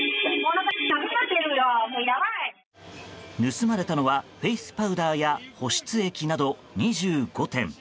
盗まれたのはフェースパウダーや保湿液など２５点。